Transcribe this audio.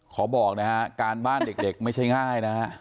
บอกนะฮะการบ้านเด็กไม่ใช่ง่ายนะฮะ